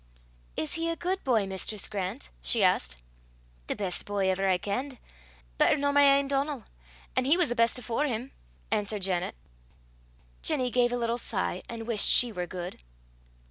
"Is he a good boy, Mistress Grant?" she asked. "The best boy ever I kenned better nor my ain Donal, an' he was the best afore him," answered Janet. Ginny gave a little sigh, and wished she were good.